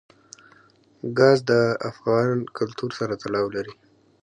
ګاز د افغان کلتور سره تړاو لري.